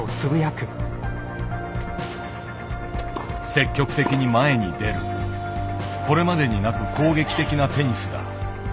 積極的に前に出るこれまでになく攻撃的なテニスだ。